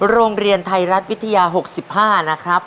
โรงเรียนไทยรัฐวิทยา๖๕นะครับ